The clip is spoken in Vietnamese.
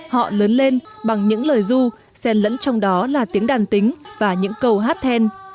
họ lớn lên bằng những lời du xen lẫn trong đó là tiếng đàn tính và những câu hát then